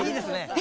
え！